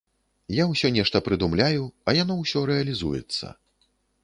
Я ўсё нешта прыдумляю, а яно ўсё рэалізуецца.